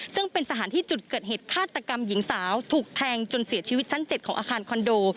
ซึ่งเป็นสถานที่จุดเกิดเหตุฆาตกรรมหญิงสาวถูกแทงจนเสียชีวิตชั้น๗ของอาคารคอนโด